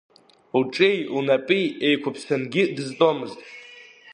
Лҿи лнапи еиқәыԥсангьы дызтәомызт.